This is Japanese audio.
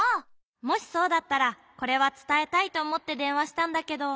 もしそうだったらこれはつたえたいとおもってでんわしたんだけど。